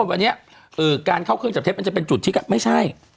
วันนี้การเข้าเครื่องจับเท็จมันจะเป็นจุดที่ไม่ใช่